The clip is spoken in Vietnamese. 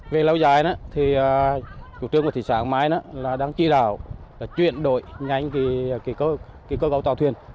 về lâu dài chủ trương của thị xã hoàng mai đang truy đảo chuyển đổi nhanh cơ gấu tàu thuyền